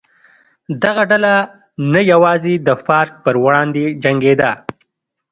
دغه ډله نه یوازې د فارک پر وړاندې جنګېده.